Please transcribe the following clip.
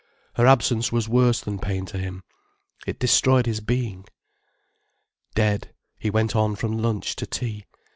Her absence was worse than pain to him. It destroyed his being. Dead, he went on from lunch to tea.